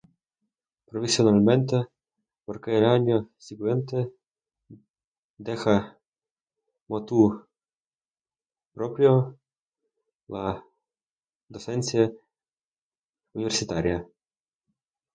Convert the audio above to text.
Provisionalmente, porque al año siguiente deja "motu proprio" la docencia universitaria.